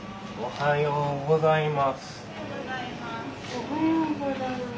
おはようございます。